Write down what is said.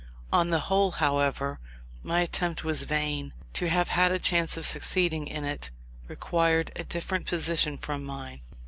On the whole, however, my attempt was vain. To have had a chance of succeeding in it, required a different position from mine.